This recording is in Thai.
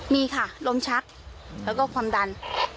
มีค่ะลมชักแล้วก็ความดัน